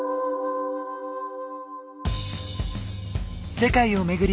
世界を巡り